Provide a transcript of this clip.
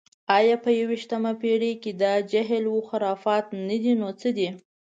ایا په یویشتمه پېړۍ کې دا جهل و خرافات نه دي، نو څه دي؟